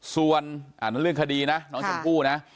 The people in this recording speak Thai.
ส่วนเรื่องคดีนะน้องชมพู่นะ